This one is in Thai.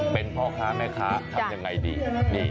เป็นพ่อค้าแม่ค้าทำยังไงดี